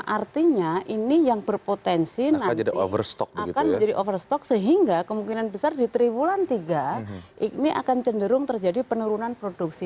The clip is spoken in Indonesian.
artinya ini yang berpotensi nanti akan menjadi over stock sehingga kemungkinan besar di triwulan tiga ini akan cenderung terjadi penurunan produksi